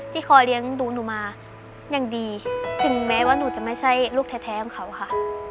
คอยเลี้ยงดูหนูมาอย่างดีถึงแม้ว่าหนูจะไม่ใช่ลูกแท้ของเขาค่ะ